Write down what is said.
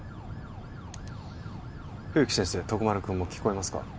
冬木先生徳丸君も聞こえますか？